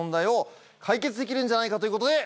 できるんじゃないかということで。